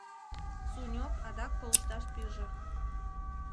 Суньог адак колышташ пиже.